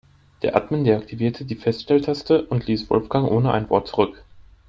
Der Admin deaktivierte die Feststelltaste und ließ Wolfgang ohne ein Wort zurück.